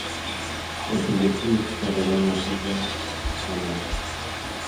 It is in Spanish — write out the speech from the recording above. El videoclip se rodó en las Islas Baleares.